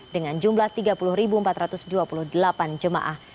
dengan jumlah tiga puluh empat ratus dua puluh delapan jemaah